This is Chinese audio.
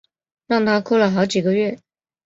让她哭了好几个月